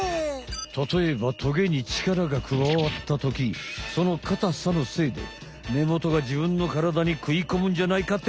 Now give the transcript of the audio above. たとえばトゲに力がくわわったときそのかたさのせいでねもとが自分のからだにくいこむんじゃないかってこと。